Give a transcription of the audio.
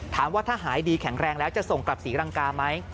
ถามว่าถ้าหายดีแข็งแรงแล้วจะส่งกลับศรีรังกาไหม